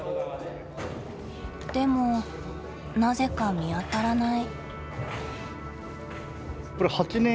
でもなぜか見当たらない。